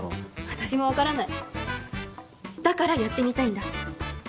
私も分からないだからやってみたいんだ